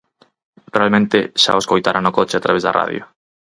Realmente xa o escoitara no coche a través da radio.